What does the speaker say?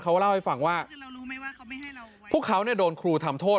เขาเล่าให้ฟังว่าพวกเขาโดนครูทำโทษ